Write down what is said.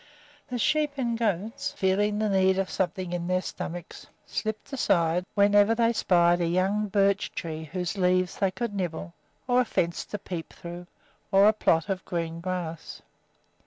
The sheep and goats, feeling the need of something in their stomachs, slipped aside whenever they spied a young birch tree whose leaves they could nibble, or a fence to peep through, or a plot of green grass.